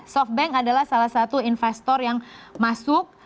softbank adalah salah satu investor yang masuk